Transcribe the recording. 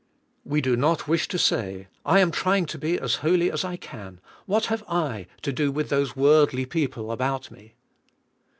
We do not wish to say, "I am trying to be as holy as I can ; what have I to do with those worldly people about me?''